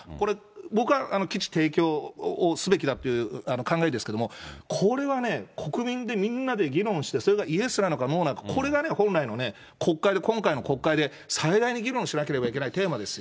僕は基地提供をすべきだという考えですけど、これはね、国民でみんなで議論して、それがイエスなのかノーなのか、これがね、本来の国会で、今回の国会で一番議論しなければならないテーマですよ。